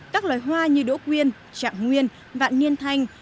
các loài hoa như đỗ quyên trạng nguyên vạn niên thanh